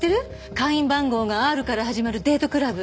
会員番号がＲから始まるデートクラブ。